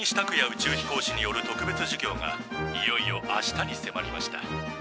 宇宙飛行士による特別授業がいよいよ明日にせまりました。